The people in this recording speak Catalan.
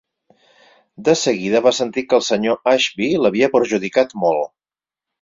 De seguida va sentir que el senyor Ashby l'havia perjudicat molt.